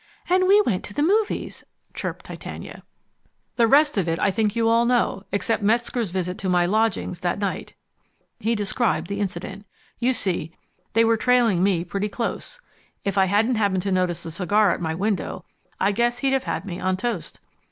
"And we went to the movies," chirped Titania. "The rest of it I think you all know except Metzger's visit to my lodgings that night." He described the incident. "You see they were trailing me pretty close. If I hadn't happened to notice the cigar at my window I guess he'd have had me on toast.